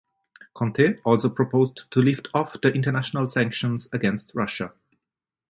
Conte also proposed to lift off the international sanctions against Russia.